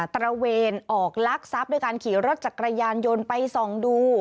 ตระเวนออกลักทรัพย์ด้วยการขี่รถจักรยานยนต์ไปส่องดู